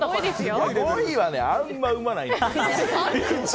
５位は、あんまうまないよ。